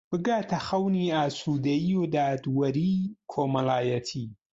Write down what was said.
بگاتە خەونی ئاسوودەیی و دادوەریی کۆمەڵایەتی